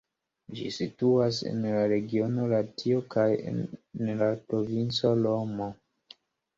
Ĝi situas en la regiono Latio kaj en la provinco Romo.